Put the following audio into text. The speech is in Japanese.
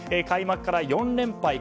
開幕から４連敗。